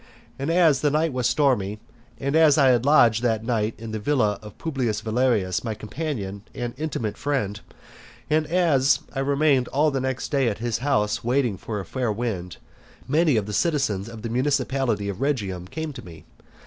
And as the night was stormy, and as I had lodged that night in the villa of Publius Valerius, my companion and intimate friend, and as I remained all the nest day at his house waiting for a fair wind, many of the citizens of the municipality of Rhegium came to me.